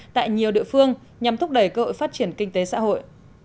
tại nhiều địa phương nhằm thúc đẩy cơ hội phát triển kinh tế xã hội